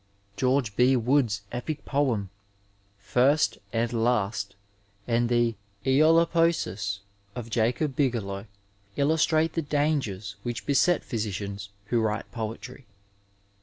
George B. Wood's epic poem, " First and Last," and the '' Eolopcesis " of Jacob Bigelow illustrate the dangers which beset physicians who write poetry.